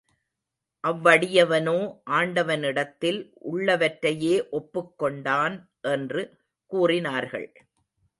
அவ்வடியவனோ ஆண்டவனிடத்தில் உள்ளவற்றையே ஒப்புக் கொண்டான் என்று கூறினார்கள்.